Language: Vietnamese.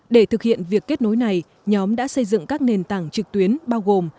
để thực hiện việc kết nối này nhóm đã xây dựng các nền tảng trực tuyến bao gồm